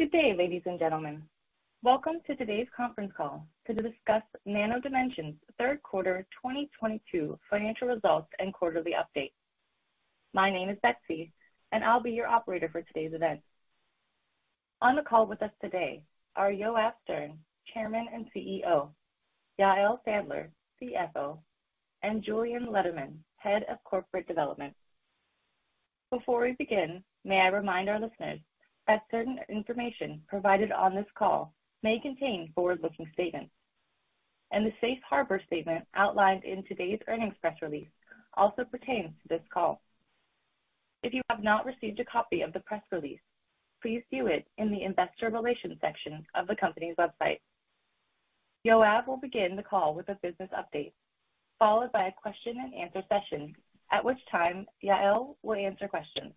Good day, ladies and gentlemen. Welcome to today's conference call to discuss Nano Dimension's third quarter 2022 financial results and quarterly update. My name is Betsy, and I'll be your operator for today's event. On the call with us today are Yoav Stern, Chairman and CEO, Yael Sandler, CFO, and Julien Lederman, Head of Corporate Development. Before we begin, may I remind our listeners that certain information provided on this call may contain forward-looking statements, and the safe harbor statement outlined in today's earnings press release also pertains to this call. If you have not received a copy of the press release, please view it in the investor relations section of the company's website. Yoav will begin the call with a business update, followed by a question and answer session, at which time Yael will answer questions.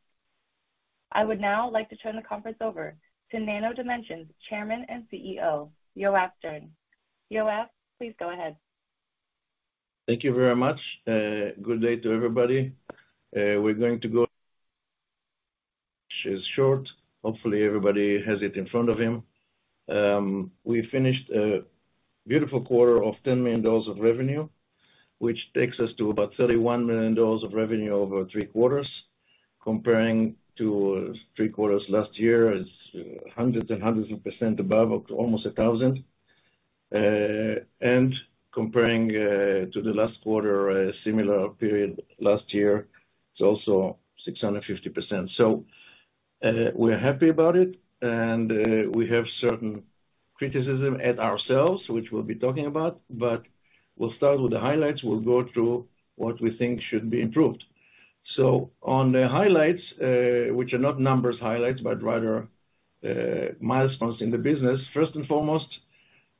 I would now like to turn the conference over to Nano Dimension's Chairman and CEO, Yoav Stern. Yoav, please go ahead. Thank you very much. Good day to everybody. We're going to go which is short. Hopefully, everybody has it in front of him. We finished a beautiful quarter of $10 million of revenue, which takes us to about $31 million of revenue over three quarters, comparing to three quarters last year as hundreds and hundreds of percent above, almost 1,000. Comparing, to the last quarter, a similar period last year, it's also 650%. We're happy about it, and, we have certain criticism at ourselves, which we'll be talking about, but we'll start with the highlights. We'll go through what we think should be improved. On the highlights, which are not numbers highlights, but rather, milestones in the business. First and foremost,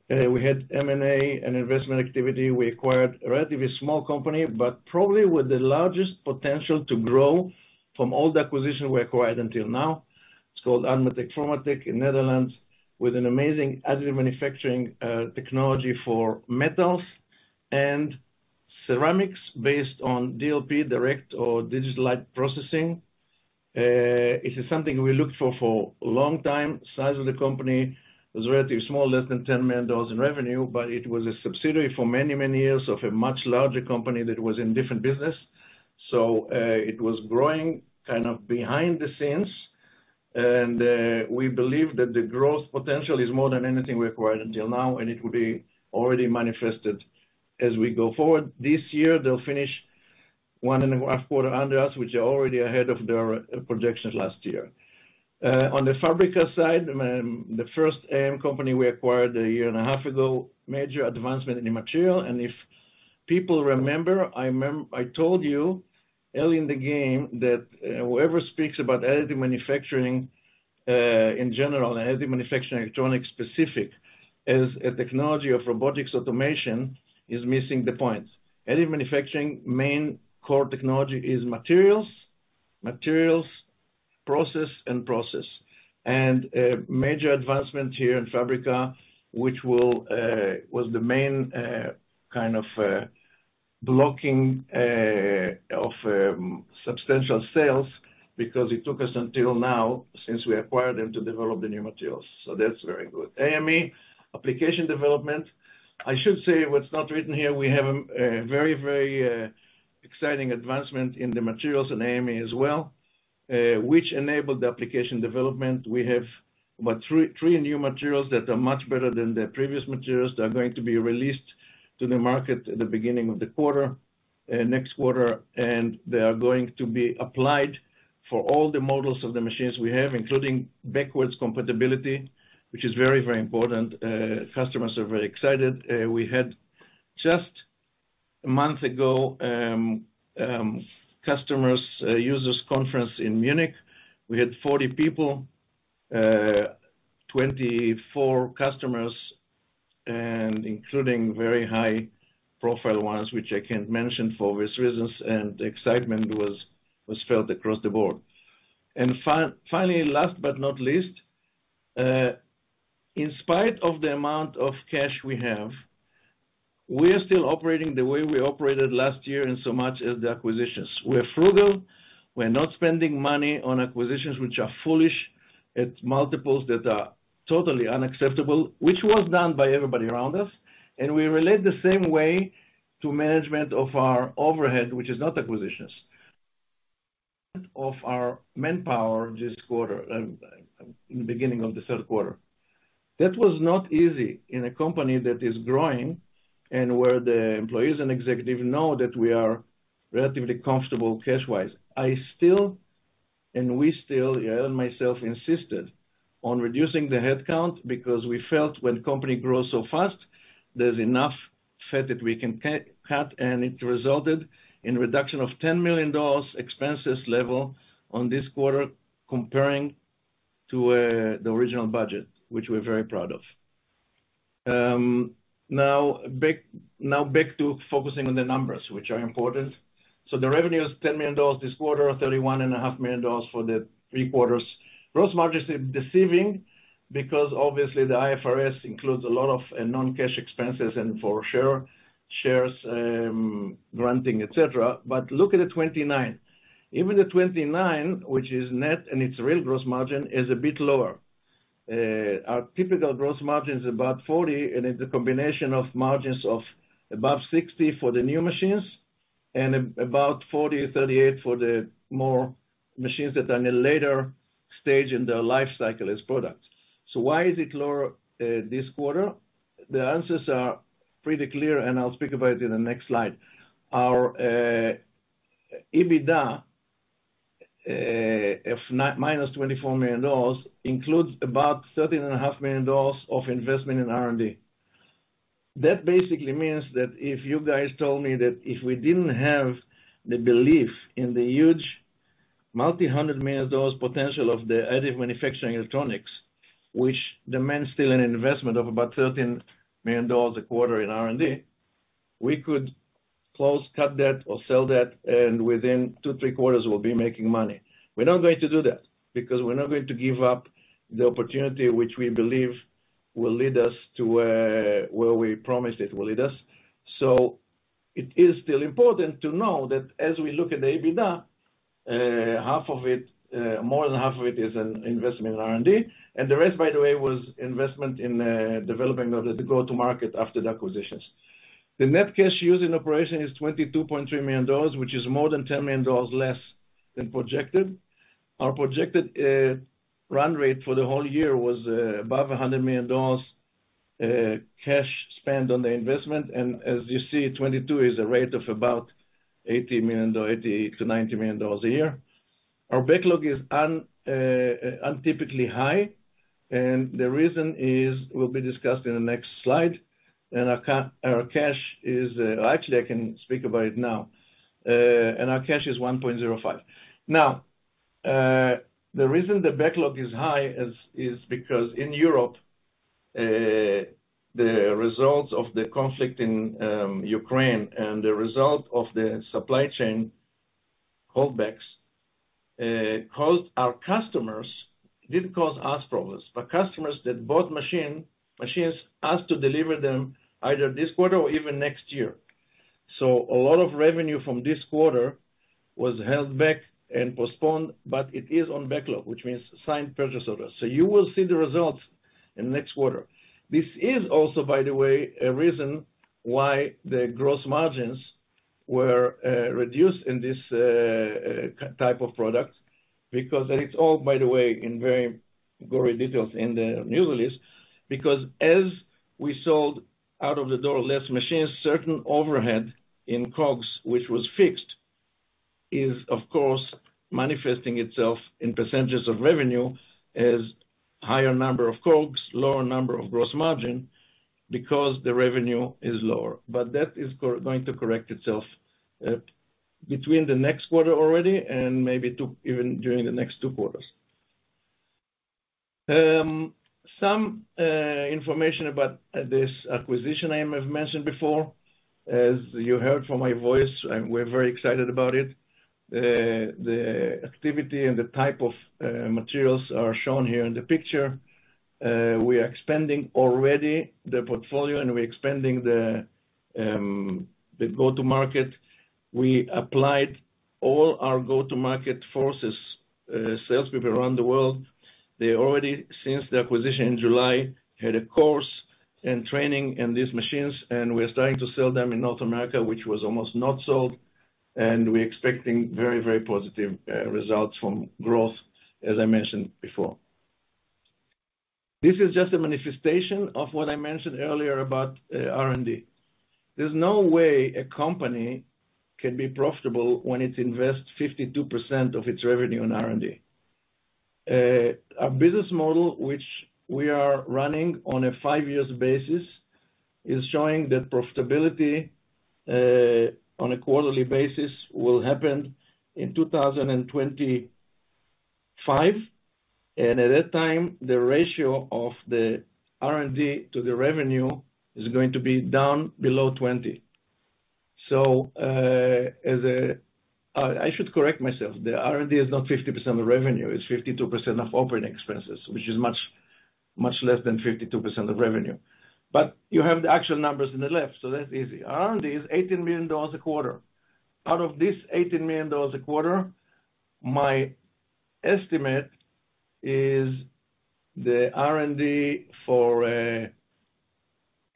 we had M&A and investment activity. We acquired a relatively small company, but probably with the largest potential to grow from all the acquisition we acquired until now. It's called Admatec in Netherlands, with an amazing additive manufacturing technology for metals and ceramics based on DLP direct or Digital Light Processing. It is something we looked for for a long time. Size of the company was relatively small, less than $10 million in revenue, but it was a subsidiary for many, many years of a much larger company that was in different business. It was growing kind of behind the scenes. We believe that the growth potential is more than anything we acquired until now, and it will be already manifested as we go forward. This year, they'll finish one and a half quarter under us, which are already ahead of their projections last year. On the Fabrica side, the first AM company we acquired a year and a half ago, major advancement in the material. If people remember, I told you early in the game that whoever speaks about additive manufacturing in general, and additive manufacturing electronics specific, as a technology of robotics automation is missing the point. Additive manufacturing main core technology is materials, process, and process. Major advancement here in Fabrica, which was the main kind of blocking of substantial sales because it took us until now, since we acquired them to develop the new materials. That's very good. AME, application development. I should say, what's not written here, we have a very, very exciting advancement in the materials in AME as well, which enabled the application development. We have about three new materials that are much better than the previous materials that are going to be released to the market at the beginning of the quarter, next quarter. They are going to be applied for all the models of the machines we have, including backwards compatibility, which is very, very important. Customers are very excited. We had just a month ago, customers, users conference in Munich. We had 40 people, 24 customers, and including very high profile ones, which I can't mention for risk reasons. Excitement was felt across the board. Finally, last but not least, in spite of the amount of cash we have, we are still operating the way we operated last year in so much as the acquisitions. We're frugal. We're not spending money on acquisitions which are foolish at multiples that are totally unacceptable, which was done by everybody around us. We relate the same way to management of our overhead, which is not acquisitions, of our manpower this quarter, in the beginning of the third quarter. That was not easy in a company that is growing and where the employees and executive know that we are relatively comfortable cash-wise. I still, and we still, Yael and myself, insisted on reducing the headcount because we felt when company grows so fast, there's enough fat that we can cut, and it resulted in reduction of $10 million expenses level on this quarter comparing to the original budget, which we're very proud of. Now back to focusing on the numbers, which are important. The revenue is $10 million this quarter, $31.5 million for the three quarters. Gross margin is deceiving because obviously the IFRS includes a lot of non-cash expenses and for sure, Shares granting, et cetera. Look at the 29. Even the 29, which is net, and its real gross margin is a bit lower. Our typical gross margin is about 40, and it's a combination of margins of above 60 for the new machines and about 40 or 38 for the more machines that are in a later stage in their life cycle as products. Why is it lower this quarter? The answers are pretty clear, and I'll speak about it in the next slide. Our EBITDA, -$24 million, includes about $13.5 Million of investment in R&D. That basically means that if you guys told me that if we didn't have the belief in the huge multi-hundred million dollars potential of the additive manufacturing electronics, which demands still an investment of about $13 million a quarter in R&D, we could close, cut that or sell that, and within two, three quarters we'll be making money. We're not going to do that because we're not going to give up the opportunity which we believe will lead us to where we promised it will lead us. It is still important to know that as we look at the EBITDA, half of it, more than half of it is an investment in R&D. The rest, by the way, was investment in developing of the go-to-market after the acquisitions. The net cash used in operation is $22.3 million, which is more than $10 million less than projected. Our projected run-rate for the whole year was above $100 million cash spent on the investment. As you see, 22 is a rate of about $80 million-$90 million a year. Our backlog is untypically high, and the reason is will be discussed in the next slide. Actually, I can speak about it now. Our cash is $1.05. The reason the backlog is high is because in Europe, the results of the conflict in Ukraine and the result of the supply chain holdbacks, caused our customers, didn't cause us problems, but customers that bought machines, asked to deliver them either this quarter or even next year. A lot of revenue from this quarter was held back and postponed, but it is on backlog, which means signed purchase orders. You will see the results in next quarter. This is also, by the way, a reason why the gross margins were reduced in this type of products, because and it's all by the way, in very gory details in the news release, because as we sold out of the door less machines, certain overhead in COGS, which was fixed, is of course manifesting itself in prcentage of revenue as higher number of COGS, lower number of gross margin because the revenue is lower. That is going to correct itself between the next quarter already and maybe two, even during the next two quarters. Some information about this acquisition I have mentioned before. As you heard from my voice, we're very excited about it. The activity and the type of materials are shown here in the picture. We are expanding already the portfolio, and we're expanding the go-to-market. We applied all our go-to-market forces, sales people around the world. They already, since the acquisition in July, had a course and training in these machines, and we're starting to sell them in North America, which was almost not sold. We're expecting very, very positive results from growth, as I mentioned before. This is just a manifestation of what I mentioned earlier about R&D. There's no way a company can be profitable when it invests 52% of its revenue on R&D. Our business model, which we are running on a five years basis, is showing that profitability, on a quarterly basis, will happen in 2025, and at that time, the ratio of the R&D to the revenue is going to be down below 20. I should correct myself. The R&D is not 50% of revenue, it's 52% of operating expenses, which is much, much less than 52% of revenue. You have the actual numbers in the left, so that's easy. R&D is $18 million a quarter. Out of this $18 million a quarter, my estimate is the R&D for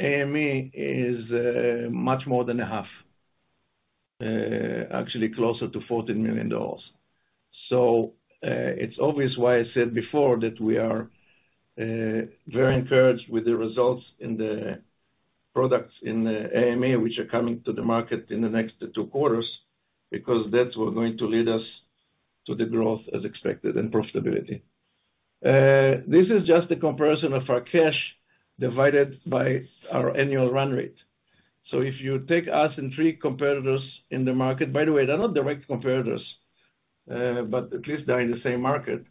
AME is much more than a half. Actually closer to $14 million. It's obvious why I said before that we are very encouraged with the results in the products in the AME, which are coming to the market in the next two quarters, because that's what's going to lead us to the growth as expected and profitability. This is just a comparison of our cash divided by our annual run-rate. If you take us and three competitors in the market, by the way, they're not direct competitors, but at least they're in the same market.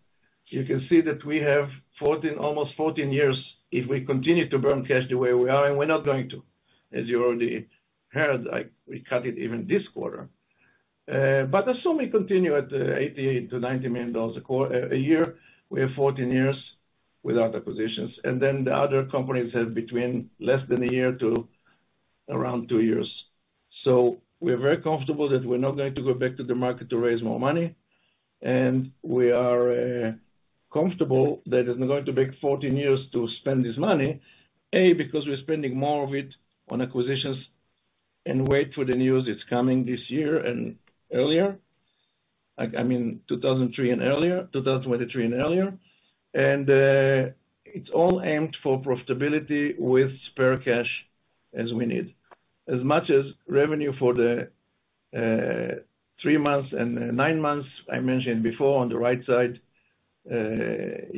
You can see that we have 14, almost 14 years if we continue to burn cash the way we are, and we're not going to, as you already heard, we cut it even this quarter. Assume we continue at $88 million-$90 million a year. We have 14 years with our acquisitions, the other companies have between less than a year to around two years. We're very comfortable that we're not going to go back to the market to raise more money, and we are comfortable that it's not going to take 14 years to spend this money. Because we're spending more of it on acquisitions, and wait for the news, it's coming this year and earlier. I mean, 2003 and earlier, 2023 and earlier. It's all aimed for profitability with spare cash as we need. As much as revenue for the three months and none months I mentioned before. On the right side,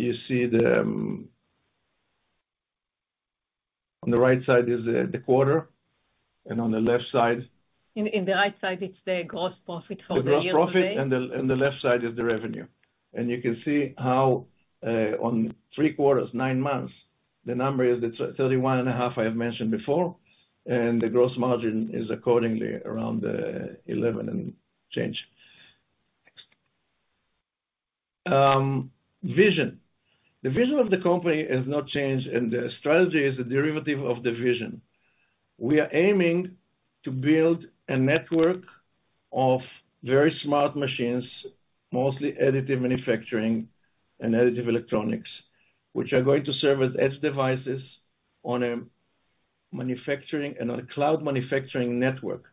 you see the... On the right side is the quarter, and on the left side- In the right side, it's the gross profit for the year-to-date. The gross profit, the, and the left side is the revenue. You can see how on three quarters, nine months, the number is $31.5 million, I have mentioned before, and the gross margin is accordingly around 11% and change. Next. Vision. The vision of the company has not changed. The strategy is a derivative of the vision. We are aiming to build a network of very smart machines, mostly additive manufacturing and additive electronics, which are going to serve as edge devices on a manufacturing and on a cloud manufacturing network.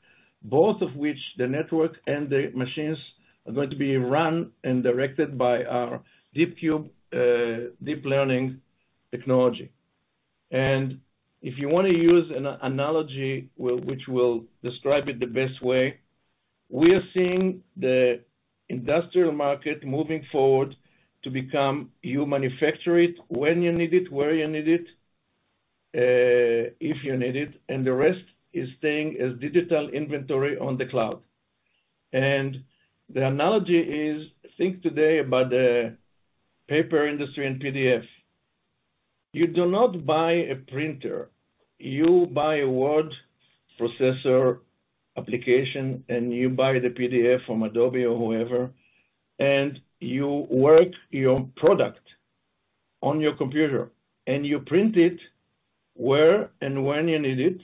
Both of which, the network and the machines, are going to be run and directed by our DeepCube Deep Learning technology. If you wanna use an analogy which will describe it the best way, we are seeing the industrial market moving forward to become you manufacture it when you need it, where you need it, if you need it, and the rest is staying as digital inventory on the cloud. The analogy is, think today about the paper industry and PDF. You do not buy a printer. You buy a Word processor application, and you buy the PDF from Adobe or whoever, and you work your product on your computer, and you print it where and when you need it.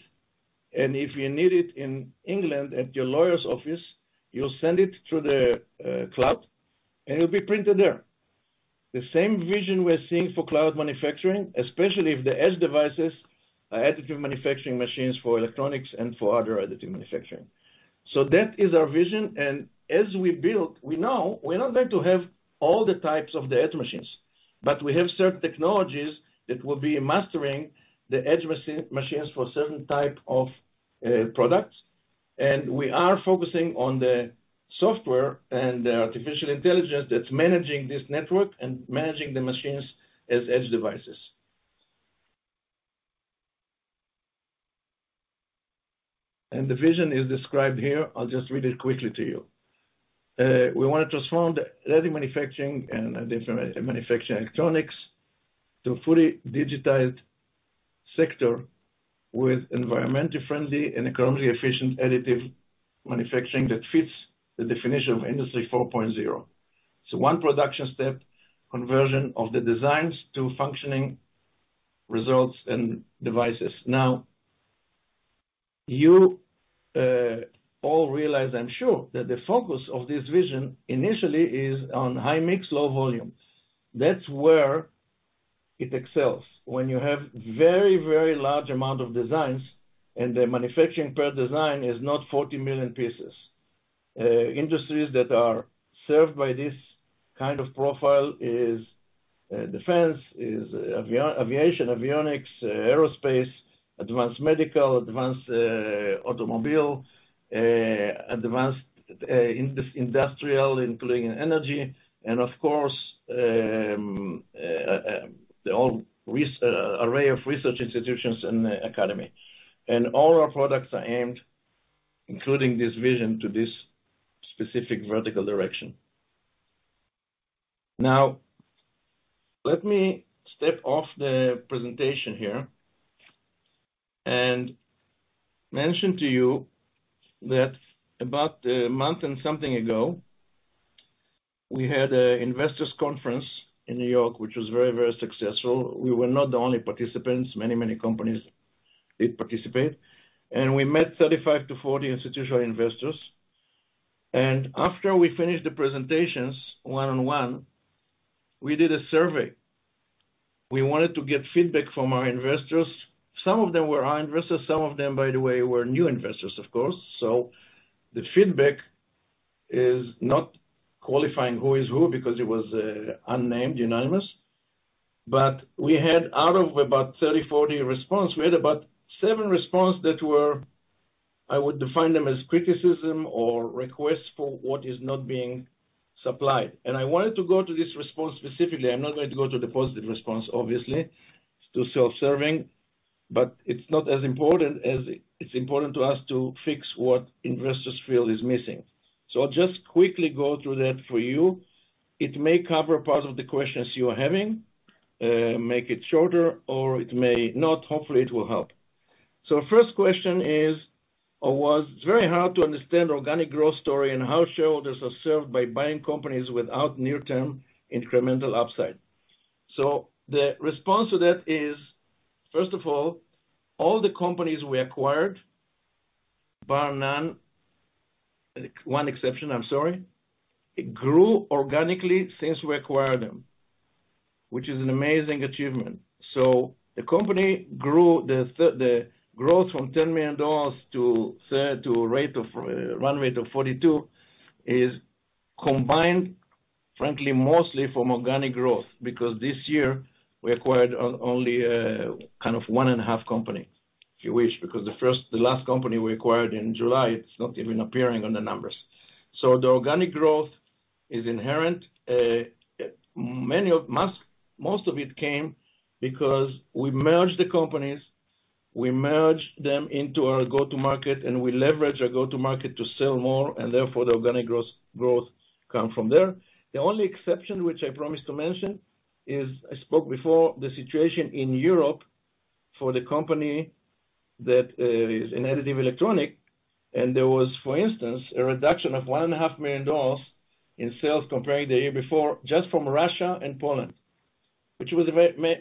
If you need it in England at your lawyer's office, you'll send it through the cloud, and it'll be printed there. The same vision we're seeing for cloud manufacturing, especially if the edge devices are additive manufacturing machines for electronics and for other additive manufacturing. That is our vision. As we build, we know we're not going to have all the types of the edge machines, but we have certain technologies that will be mastering the edge machines for certain type of products. We are focusing on the software and the artificial intelligence that's managing this network and managing the machines as edge devices. The vision is described here. I'll just read it quickly to you. We want to transform the additive manufacturing and additive manufacturing electronics to a fully digitized sector with environmentally friendly and economically efficient additive manufacturing that fits the definition of Industry 4.0. One production step, conversion of the designs to functioning results and devices. Now, you all realize, I'm sure, that the focus of this vision initially is on high mix, low volume. That's where it excels. When you have very, very large amount of designs and the manufacturing per design is not 40 million pieces. Industries that are served by this kind of profile is defense, is aviation, avionics, aerospace, advanced medical, advanced automobile, advanced industrial, including energy, and of course, the whole array of research institutions and academy. All our products are aimed, including this vision, to this specific vertical direction. Now, let me step off the presentation here and mention to you that about a month and something ago, we had a investors conference in New York, which was very, very successful. We were not the only participants. Many, many companies did participate. We met 35 to 40 institutional investors. After we finished the presentations one-on-one, we did a survey. We wanted to get feedback from our investors. Some of them were our investors. Some of them, by the way, were new investors, of course. The feedback is not qualifying who is who because it was unnamed, unanimous. We had out of about 30, 40 response, we had about seven response that were, I would define them as criticism or requests for what is not being supplied. I wanted to go to this response specifically. I'm not going to go to the positive response, obviously. It's too self-serving, but it's not as important as... It's important to us to fix what investors feel is missing. I'll just quickly go through that for you. It may cover part of the questions you are having, make it shorter, or it may not. Hopefully, it will help. First question is, or was very hard to understand organic growth story and how shareholders are served by buying companies without near-term incremental upside. The response to that is, first of all the companies we acquired, bar none, on exception, I'm sorry, it grew organically since we acquired them, which is an amazing achievement. The company grew the growth from $10 million to a rate of run-rate of $42 million, is combined, frankly, mostly from organic growth, because this year we acquired only kind of one and a half company, if you wish, because the first, the last company we acquired in July, it's not even appearing on the numbers. The organic growth is inherent. Many of... Most of it came because we merged the companies, we merged them into our go-to-market. We leverage our go-to-market to sell more. Therefore, the organic gross growth come from there. The only exception which I promised to mention is I spoke before the situation in Europe for the company that is in additive electronic. There was, for instance, a reduction of one and a half million dollars in sales comparing the year before just from Russia and Poland, which was a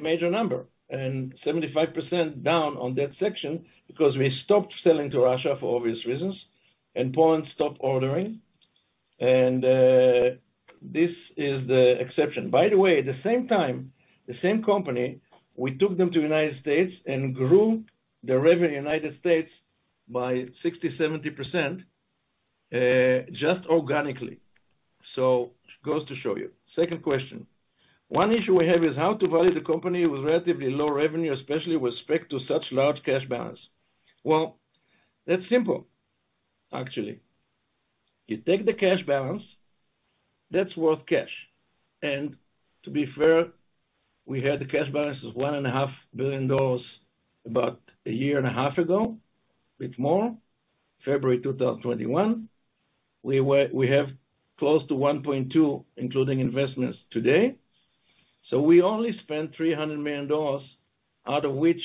major number. 75% down on that section because we stopped selling to Russia for obvious reasons. Poland stopped ordering. This is the exception. By the way, at the same time, the same company, we took them to the United States and grew the revenue in the United States by 60%, 70% just organically. It goes to show you. Second question. One issue we have is how to value the company with relatively low revenue, especially with respect to such large cash balance. Well, that's simple, actually. You take the cash balance, that's worth cash. To be fair, we had the cash balance of $1.5 billion about a year and a half ago, bit more, February 2021. We have close to $1.2 billion, including investments today. We only spent $300 million, out of which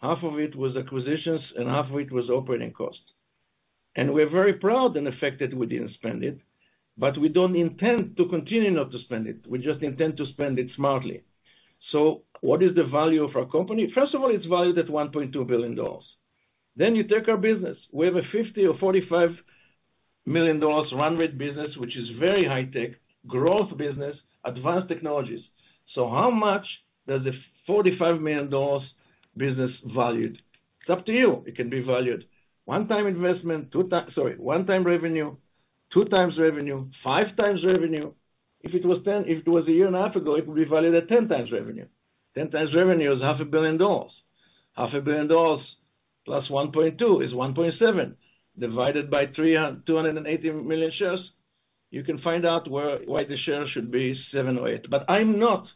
half of it was acquisitions and half of it was operating costs. We're very proud and affected we didn't spend it, but we don't intend to continue not to spend it. We just intend to spend it smartly. What is the value of our company? It's valued at $1.2 billion. You take our business. We have a $50 million or $45 million run-rate business, which is very high-tech, growth business, advanced technologies. How much does a $45 million business valued? It's up to you. It can be valued 1 time investment, Sorry, 1x revenue, 2x revenue, 5x revenue. If it was 10x, if it was a year and a half ago, it would be valued at 10 x revenue. 10x revenue is $500,000. $500,000 + $1.2 billion is $1.7 billion, divided by 280 million shares, you can find out where, why the share should be $7 or $8. I'm not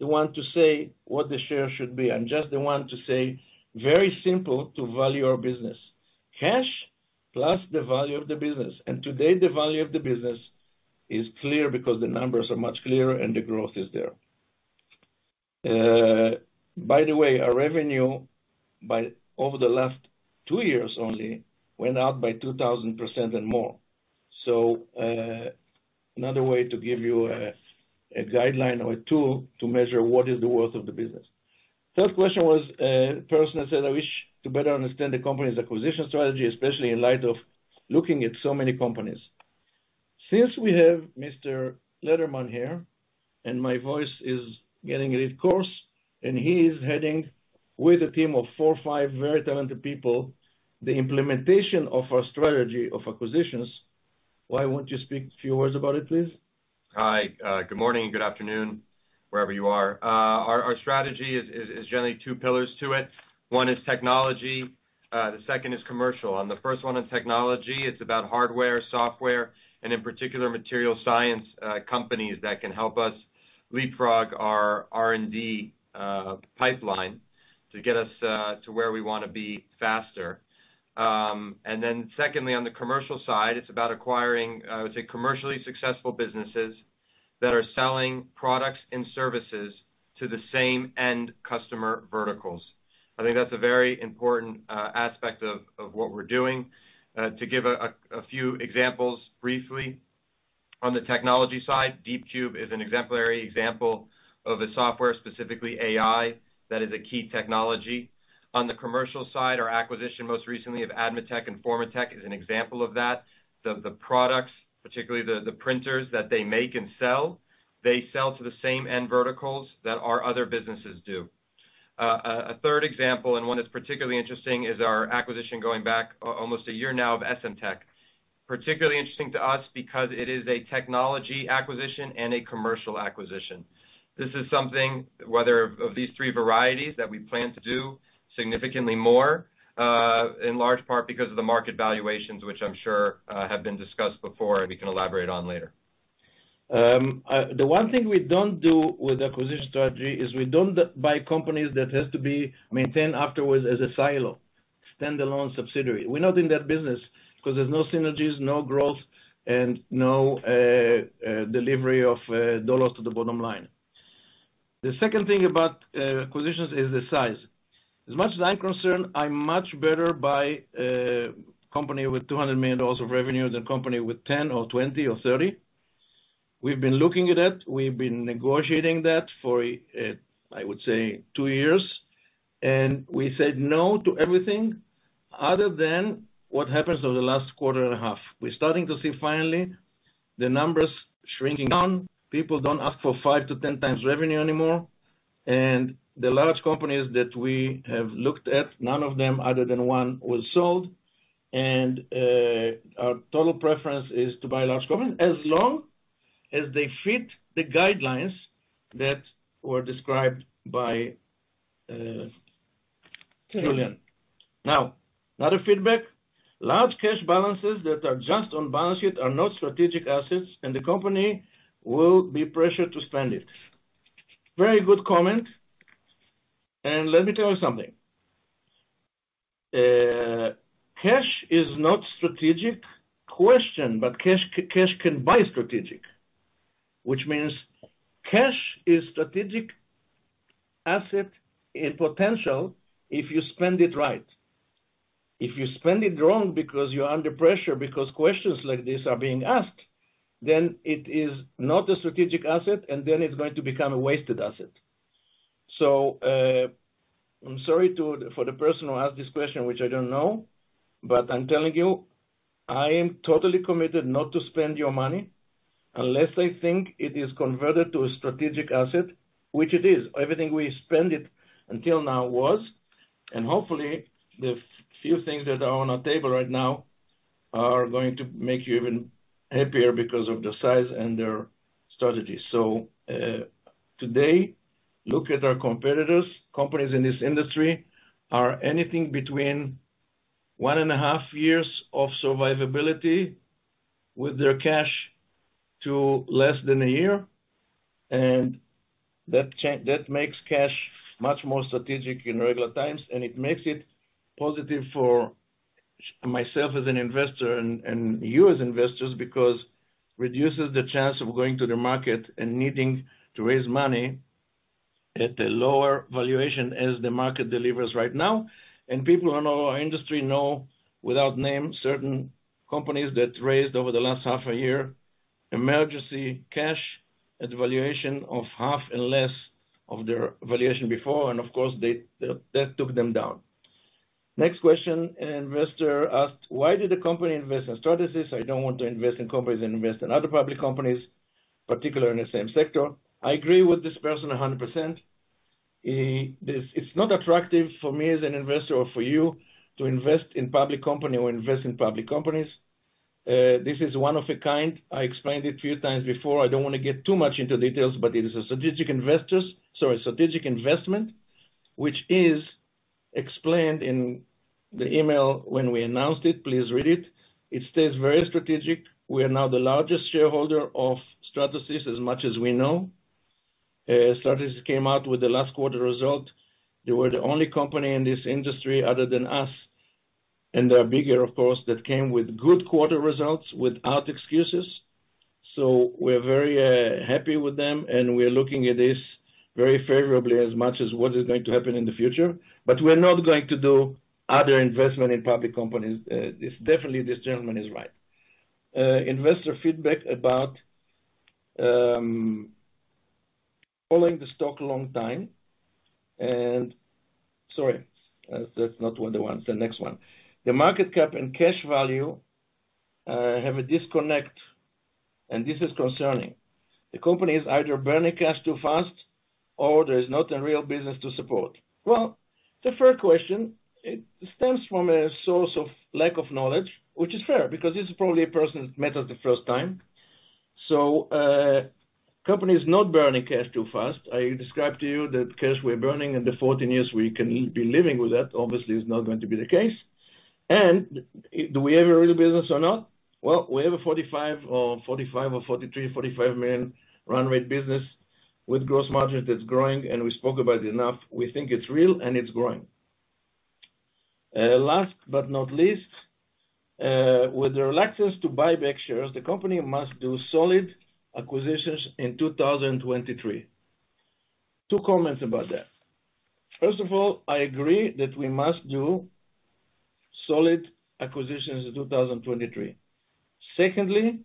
the one to say what the share should be. I'm just the one to say very simple to value our business. Cash plus the value of the business. Today, the value of the business is clear because the numbers are much clearer and the growth is there. By the way, our revenue by, over the last two years only went up by 2,000% and more. Another way to give you a guideline or a tool to measure what is the worth of the business. Third question was, person that said, I wish to better understand the company's acquisition strategy, especially in light of looking at so many companies. Since we have Mr. Lederman here. My voice is getting a bit coarse. He is heading with a team of four or five very talented people, the implementation of our strategy of acquisitions. Why won't you speak a few words about it, please? Hi. Good morning, good afternoon, wherever you are. Our strategy is generally two pillars to it. One is technology, the two is commercial. On the first one in technology, it's about hardware, software, and in particular, material science companies that can help us leapfrog our R&D pipeline to get us to where we wanna be faster. Secondly, on the commercial side, it's about acquiring, I would say, commercially successful businesses that are selling products and services to the same end customer verticals. I think that's a very important aspect of what we're doing. To give a few examples briefly on the technology side. DeepCube is an exemplary example of a software, specifically AI, that is a key technology. On the commercial side, our acquisition, most recently of Admatec and Formatec, is an example of that. The products, particularly the printers that they make and sell, they sell to the same end verticals that our other businesses do. A third example, and one that's particularly interesting, is our acquisition going back almost a year now of Essemtec. Particularly interesting to us because it is a technology acquisition and a commercial acquisition. This is something whether of these three varieties that we plan to do significantly more, in large part because of the market valuations, which I'm sure, have been discussed before, and we can elaborate on later. The one thing we don't do with acquisition strategy is we don't buy companies that has to be maintained afterwards as a silo, standalone subsidiary. We're not in that business because there's no synergies, no growth, and no delivery of dollars to the bottom line. The second thing about acquisitions is the size. As much as I'm concerned, I'm much better by company with $200 million of revenue than company with 10 or 20 or 30. We've been looking at it. We've been negotiating that for, I would say two years. We said no to everything other than what happens over the last quarter and a half. We're starting to see finally the numbers shrinking down. People don't ask for 5x-10x revenue anymore. The large companies that we have looked at, none of them other than one was sold. Our total preference is to buy large companies as long as they fit the guidelines that were described by Julien. Now, another feedback. Large cash balances that are just on balance sheet are not strategic assets, and the company will be pressured to spend it. Very good comment, and let me tell you something. Cash is not strategic question, but cash can buy strategic, which means cash is strategic asset in potential if you spend it right. If you spend it wrong because you're under pressure, because questions like this are being asked, then it is not a strategic asset, and then it's going to become a wasted asset. I'm sorry for the person who asked this question, which I don't know, but I'm telling you, I am totally committed not to spend your money unless I think it is converted to a strategic asset, which it is. Everything we spend it until now was, and hopefully the few things that are on our table right now are going to make you even happier because of the size and their strategy. Today, look at our competitors. Companies in this industry are anything between 1.5 years of survivability with their cash to less than a year. That makes cash much more strategic in regular times, and it makes it positive for myself as an investor and you as investors, because reduces the chance of going to the market and needing to raise money at a lower valuation as the market delivers right now. People who know our industry know, without name, certain companies that raised over the last half a year, emergency cash at valuation of half and less of their valuation before, of course, they, that took them down. Next question. An investor asked, "Why did the company invest in Stratasys? I don't want to invest in companies that invest in other public companies, particularly in the same sector." I agree with this person 100%. It's not attractive for me as an investor or for you to invest in public company or invest in public companies. This is one of a kind. I explained it a few times before. I don't wanna get too much into details, but it is a strategic investment, which is explained in the email when we announced it. Please read it. It stays very strategic. We are now the largest shareholder of Stratasys, as much as we know. Stratasys came out with the last quarter result. They were the only company in this industry other than us, and they are bigger, of course, that came with good quarter results without excuses. We're very happy with them, and we're looking at this very favorably as much as what is going to happen in the future. We're not going to do other investment in public companies. This definitely, this gentleman is right. Investor feedback about following the stock long time. Sorry, that's not what I want. The next one. The market cap and cash value have a disconnect, and this is concerning. The company is either burning cash too fast or there is not a real business to support. Well, the first question, it stems from a source of lack of knowledge, which is fair because this is probably a person met us the first time. Company is not burning cash too fast. I described to you that cash we're burning in the 14 years we can be living with that, obviously is not going to be the case. Do we have a real business or not? Well, we have a $45 million or $43 million, $45 million run-rate business with gross margin that's growing. We spoke about it enough. We think it's real. It's growing. Last but not least, with the reluctance to buy back shares, the company must do solid acquisitions in 2023. Two comments about that. First of all, I agree that we must do solid acquisitions in 2023. Secondly,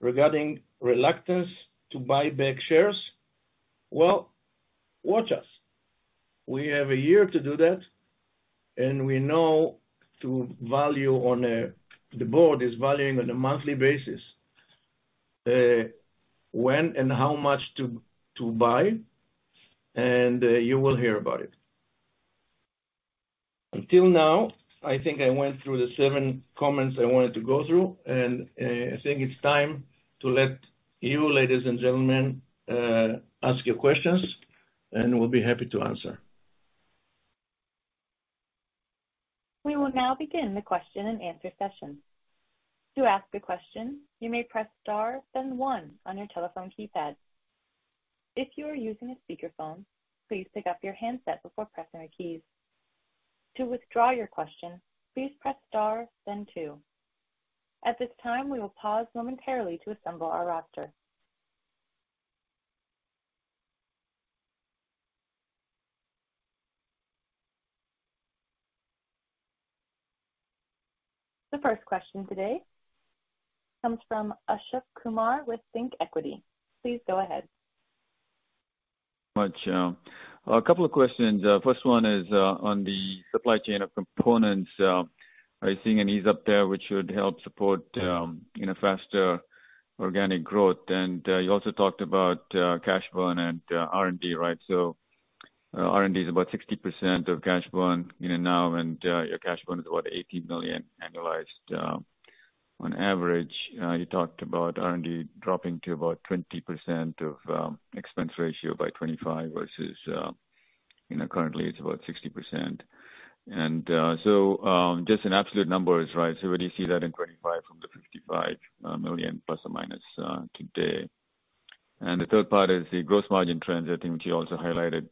regarding reluctance to buy back shares, well, watch us. We have a year to do that. We know through The board is valuing on a monthly basis, when and how much to buy. You will hear about it. Until now, I think I went through the seven comments I wanted to go through, and I think it's time to let you, ladies and gentlemen, ask your questions, and we'll be happy to answer. We will now begin the question and answer session. To ask a question, you may press star then one on your telephone keypad. If you are using a speakerphone, please pick up your handset before pressing the keys. To withdraw your question, please press star then two. At this time, we will pause momentarily to assemble our roster. The first question today comes from Ashok Kumar with ThinkEquity. Please go ahead. Much. A couple of questions. First one is on the supply chain of components, are you seeing any ease up there which would help support, you know, faster organic growth? You also talked about cash burn and R&D, right? R&D is about 60% of cash burn, you know, now, and your cash burn is about $80 million annualized on average. You talked about R&D dropping to about 20% of expense ratio by 2025 versus, you know, currently it's about 60%. Just an absolute number is, right, so where do you see that in 2025 from the $55 million ± today? The third part is the gross margin trends. I think you also highlighted,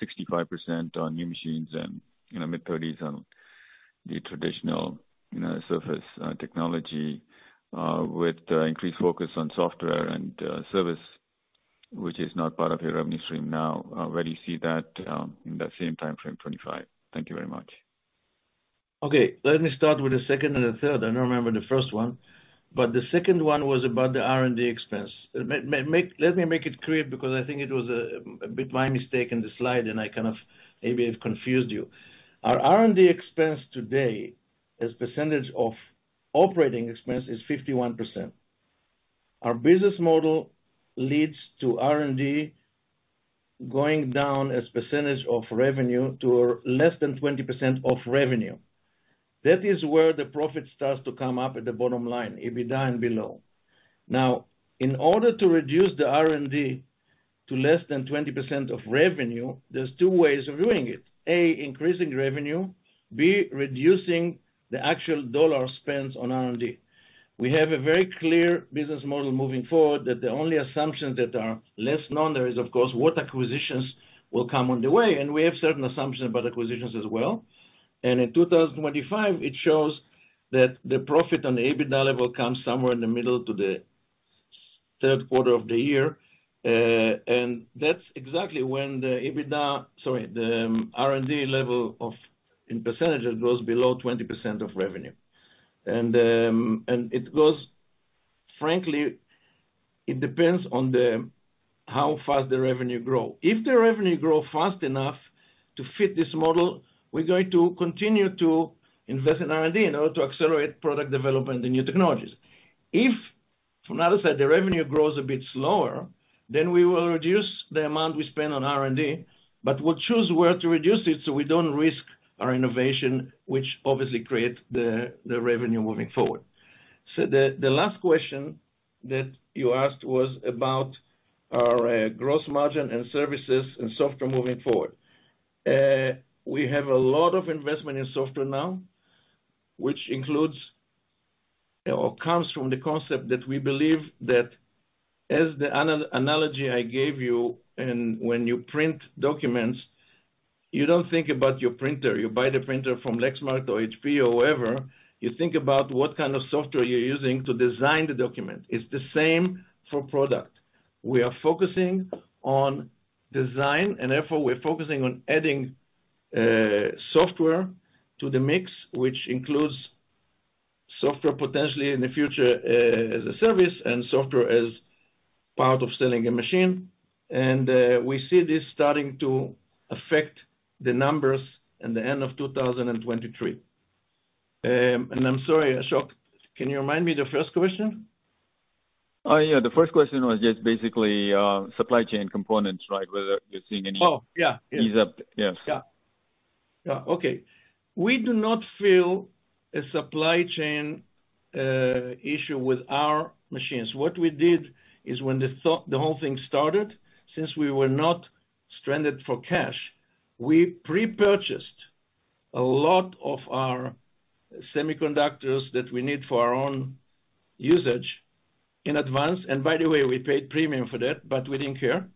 65% on new machines and, you know, mid-30s on the traditional, you know, surface technology, with the increased focus on software and service, which is not part of your revenue stream now. Where do you see that, in that same timeframe, 2025? Thank you very much. Okay. Let me start with the second and the third. I don't remember the first one, but the second one was about the R&D expense. Let me make it clear because I think it was a bit my mistake in the slide, and I kind of maybe have confused you. Our R&D expense today as percentage of operating expense is 51%. Our business model leads to R&D going down as percentage of revenue to less than 20% of revenue. That is where the profit starts to come up at the bottom line, EBITDA and below. In order to reduce the R&D to less than 20% of revenue, there's two ways of doing it. A, increasing revenue, B, reducing the actual dollar spent on R&D. We have a very clear business model moving forward that the only assumptions that are less known there is of course what acquisitions will come on the way, and we have certain assumptions about acquisitions as well. In 2025, it shows that the profit on the EBITDA level comes somewhere in the middle to the third quarter of the year. That's exactly when the EBITDA, sorry, the R&D level of, in percentages, goes below 20% of revenue. It goes... Frankly, it depends on the, how fast the revenue grow. If the revenue grow fast enough to fit this model, we're going to continue to invest in R&D in order to accelerate product development in new technologies. If, from the other side, the revenue grows a bit slower, then we will reduce the amount we spend on R&D, but we'll choose where to reduce it, so we don't risk our innovation, which obviously creates the revenue moving forward. The last question that you asked was about our gross margin and services and software moving forward. We have a lot of investment in software now, which includes or comes from the concept that we believe that as the analogy I gave you and when you print documents, you don't think about your printer. You buy the printer from Lexmark or HP or wherever. You think about what kind of software you're using to design the document. It's the same for product. We are focusing on design, therefore we're focusing on adding software to the mix, which includes software potentially in the future as a service and software as part of selling a machine. We see this starting to affect the numbers in the end of 2023. I'm sorry, Ashok, can you remind me the first question? Yeah. The first question was just basically, supply chain components, right? Whether you're seeing any- Oh, yeah. Ease up. Yes. Yeah. Yeah. Okay. We do not feel a supply chain issue with our machines. What we did is when the whole thing started, since we were not stranded for cash, we pre-purchased a lot of our semiconductors that we need for our own usage in advance. We paid premium for that, but we didn't care.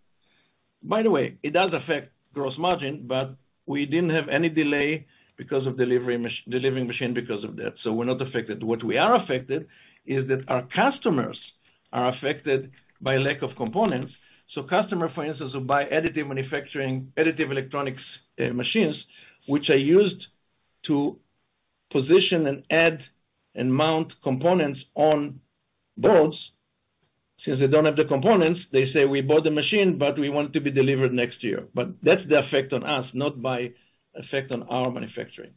By the way, it does affect gross margin, but we didn't have any delay because of delivering machine because of that, so we're not affected. What we are affected is that our customers are affected by lack of components. Customer, for instance, will buy additive manufacturing, additive electronics machines, which are used to position and add and mount components on boards. Since they don't have the components, they say, "We bought the machine, but we want it to be delivered next year." That's the effect on us, not by effect on our manufacturing.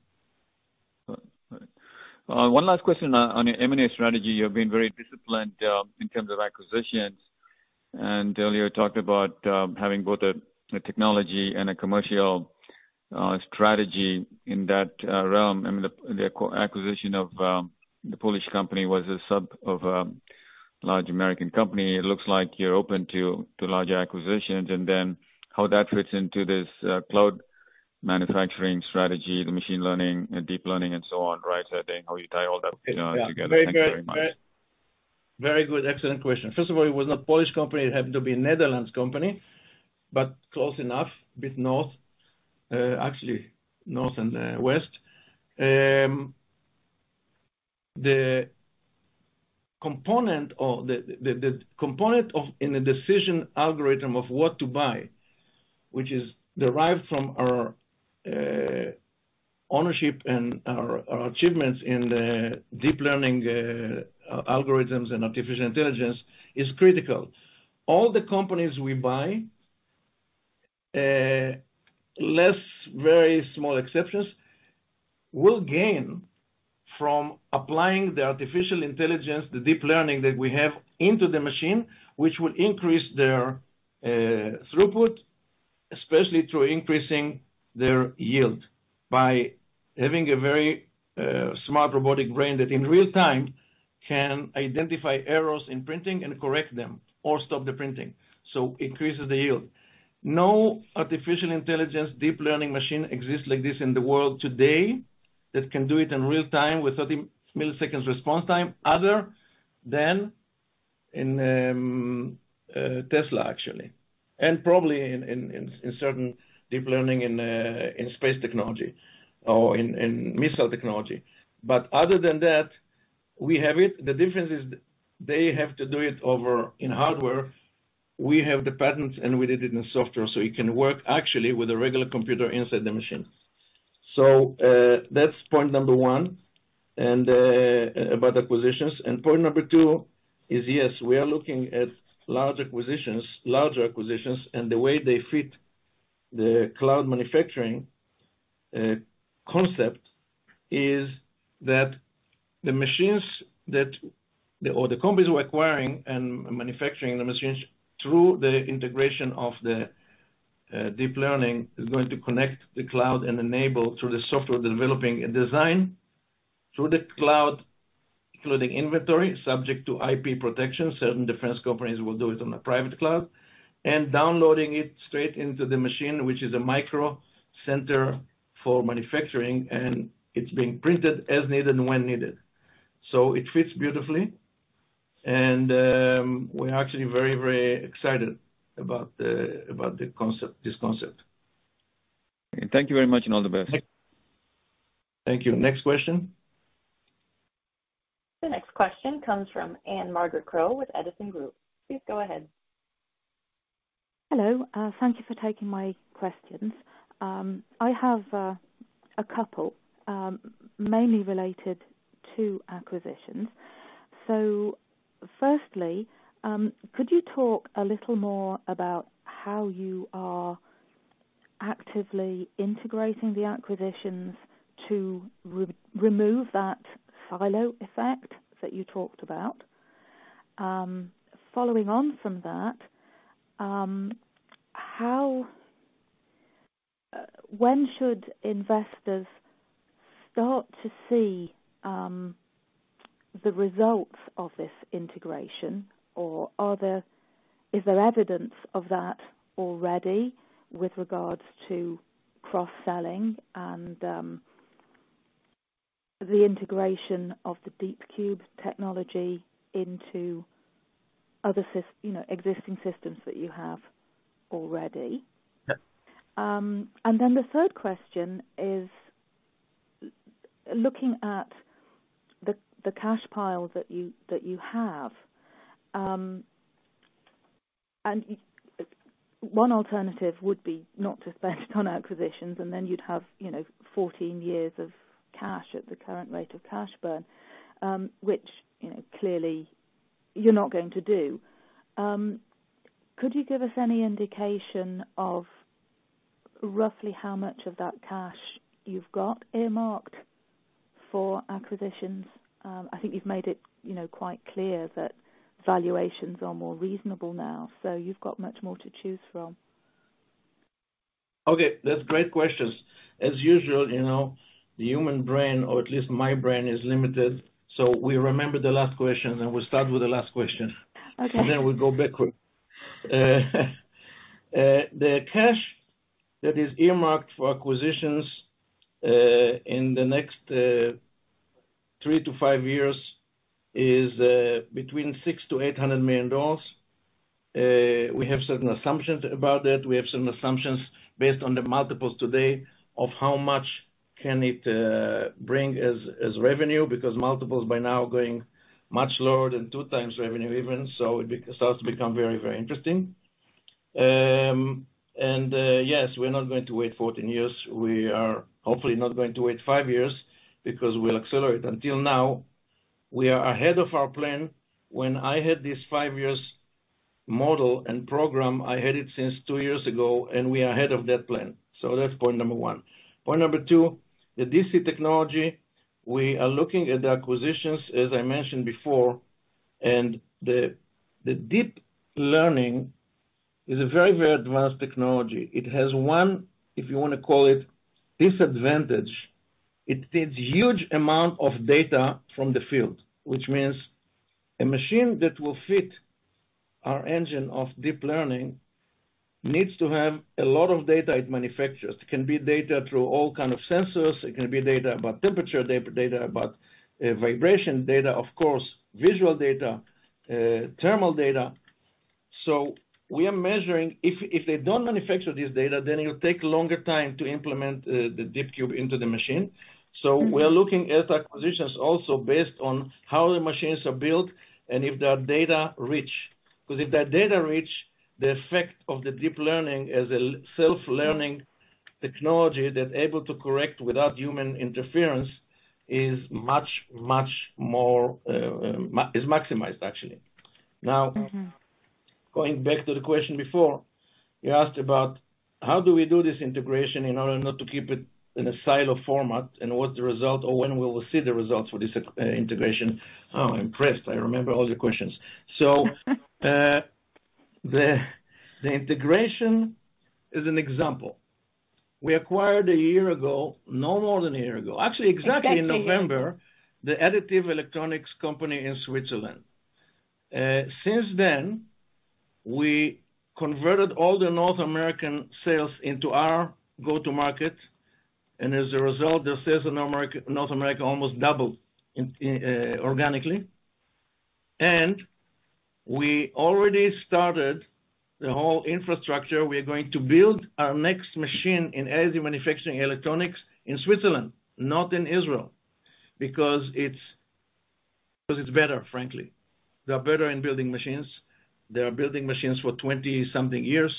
One last question on your M&A strategy. You've been very disciplined in terms of acquisitions. Earlier, you talked about having both a technology and a commercial strategy in that realm. I mean, the acquisition of the Polish company was a sub of a large American company. It looks like you're open to larger acquisitions and then how that fits into this cloud manufacturing strategy, the machine learning and Deep Learning and so on, right? I think how you tie all that, you know, together. Yeah. Thank you very much. Very good. Excellent question. First of all, it was not Polish company. It happened to be Netherlands company, but close enough, a bit north. Actually north and west. The component of in the decision algorithm of what to buy, which is derived from our ownership and our achievements in the Deep Learning algorithms and artificial intelligence is critical. All the companies we buy, less very small exceptions, will gain from applying the artificial intelligence, the Deep Learning that we have into the machine, which will increase their throughput, especially through increasing their yield by having a very smart robotic brain that in real-time can identify errors in printing and correct them or stop the printing, so increases the yield. No artificial intelligence, Deep Learning machine exists like this in the world today that can do it in real-time with 30 milliseconds response time other than in Tesla, actually, and probably in certain Deep Learning in space technology or in missile technology. Other than that, we have it. The difference is they have to do it over in hardware. We have the patents, and we did it in software, so it can work actually with a regular computer inside the machine. That's point number one, and about acquisitions. Point number two is, yes, we are looking at large acquisitions, larger acquisitions, and the way they fit the cloud manufacturing concept is that the machines that or the companies we're acquiring and manufacturing the machines through the integration of the Deep Learning is going to connect the cloud and enable through the software developing and design through the cloud, including inventory, subject to IP protection. Certain defense companies will do it on a private cloud and downloading it straight into the machine, which is a micro center for manufacturing, and it's being printed as needed and when needed. It fits beautifully, and we're actually very, very excited about the concept, this concept. Thank you very much, and all the best. Thank you. Next question. The next question comes from Anne Margaret Crowe with Edison Group. Please go ahead. Hello. Thank you for taking my questions. I have a couple, mainly related to acquisitions. Firstly, could you talk a little more about how you are actively integrating the acquisitions to remove that silo effect that you talked about? Following on from that, when should investors start to see the results of this integration, or is there evidence of that already with regards to cross-selling and the integration of the DeepCube technology into other you know, existing systems that you have already? Yeah. The third question is, looking at the cash pile that you, that you have, and one alternative would be not to spend on acquisitions, and then you'd have, you know, 14 years of cash at the current rate of cash burn, which, you know, clearly you're not going to do. Could you give us any indication of roughly how much of that cash you've got earmarked for acquisitions? I think you've made it, you know, quite clear that valuations are more reasonable now, so you've got much more to choose from. Okay, that's great questions. As usual, you know, the human brain, or at least my brain, is limited. We remember the last question. We'll start with the last question. Okay. We go backward. The cash that is earmarked for acquisitions in the next three to five years is between $600 million-$800 million. We have certain assumptions about that. We have some assumptions based on the multiples today of how much can it bring as revenue because multiples by now going much lower than 2x revenue even. It starts to become very interesting. Yes, we're not going to wait 14 years. We are hopefully not going to wait five years because we'll accelerate. Until now, we are ahead of our plan. When I had this five years model and program, I had it since two years ago, and we are ahead of that plan. That's point number one. Point number two, the D.C. technology, we are looking at the acquisitions, as I mentioned before, the Deep Learning is a very, very advanced technology. It has one, if you wanna call it disadvantage. It takes huge amount of data from the field, which means a machine that will fit our engine of Deep Learning needs to have a lot of data it manufactures. It can be data through all kind of sensors, it can be data about temperature, data about vibration data, of course, visual data, thermal data. We are measuring. If they don't manufacture this data, then it'll take longer time to implement the DeepCube into the machine. We are looking at acquisitions also based on how the machines are built and if they are data-rich. If they are data-rich, the effect of the Deep Learning as a self-learning technology that's able to correct without human interference is much more maximized, actually. Mm-hmm. Going back to the question before, you asked about how do we do this integration in order not to keep it in a silo format, and what's the result or when we will see the results for this integration. Oh, I'm impressed I remember all the questions. The integration is an example. We acquired a year ago, no more than a year ago, actually exactly in November. Exactly a year. The Additive Electronics company in Switzerland. Since then, we converted all the North American sales into our go-to-market. As a result, the sales in North America almost doubled organically. We already started the whole infrastructure. We are going to build our next machine in Additive Manufacturing Electronics in Switzerland, not in Israel, because it's better, frankly. They are better in building machines. They are building machines for 20 something years,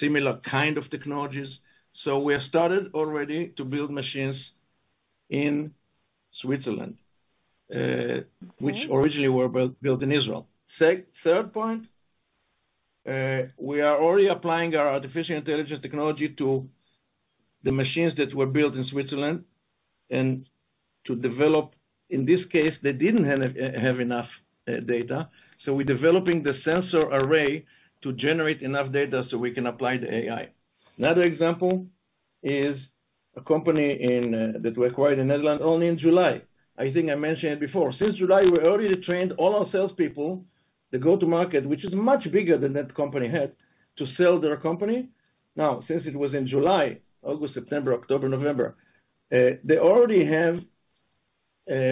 similar kind of technologies. We have started already to build machines in Switzerland. Mm-hmm. Originally were built in Israel. Third point, we are already applying our artificial intelligence technology to the machines that were built in Switzerland. In this case, they didn't have enough data, so we're developing the sensor array to generate enough data so we can apply the AI. Another example is a company that we acquired in Netherlands only in July. I think I mentioned it before. Since July, we already trained all our salespeople, the go-to-market, which is much bigger than that company had, to sell their company. Since it was in July, August, September, October, November, they already have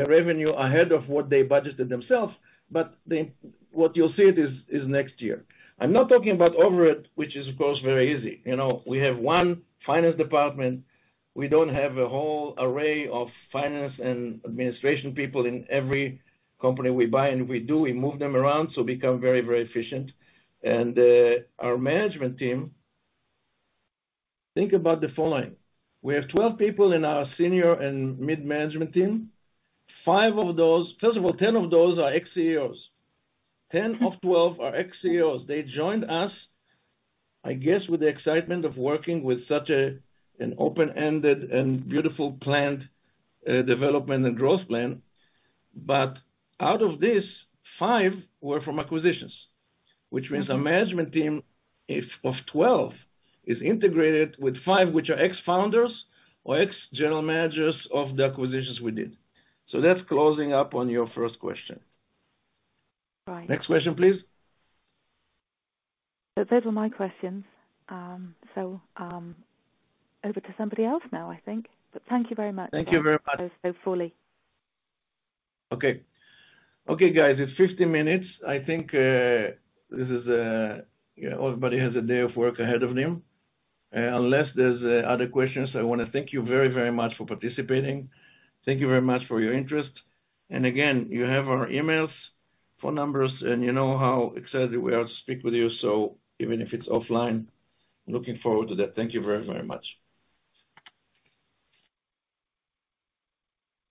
revenue ahead of what they budgeted themselves, what you'll see it is next year. I'm not talking about overhead, which is of course, very easy. You know, we have one finance department. We don't have a whole array of finance and administration people in every company we buy, and if we do, we move them around, so become very, very efficient. Our management team, think about the following: We have 12 people in our senior and mid-management team. First of all, 10 of those are ex-CEOs. 10 of 12 are ex-CEOs. They joined us, I guess, with the excitement of working with such an open-ended and beautiful planned development and growth plan. Out of this, five were from acquisitions, which means our management team is, of 12, is integrated with five, which are ex-founders or ex-general managers of the acquisitions we did. That's closing up on your first question. Right. Next question, please. Those were my questions. Over to somebody else now, I think. Thank you very much. Thank you very much. -for answering those so fully. Okay. Okay, guys, it's 50 minutes. I think, this is, you know, everybody has a day of work ahead of them. Unless there's other questions, I wanna thank you very, very much for participating. Thank you very much for your interest. Again, you have our emails, phone numbers, and you know how excited we are to speak with you. Even if it's offline, looking forward to that. Thank you very, very much.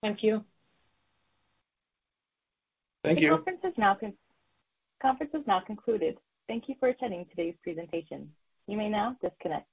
Thank you. Thank you. The conference is now concluded. Thank you for attending today's presentation. You may now disconnect.